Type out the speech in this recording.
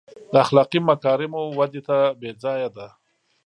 د اخلاقي مکارمو ودې تمه بې ځایه ده.